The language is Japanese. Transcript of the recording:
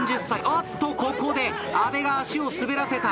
あっとここで阿部が足を滑らせた。